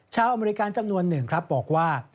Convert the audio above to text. อเมริกาจำนวนหนึ่งครับบอกว่า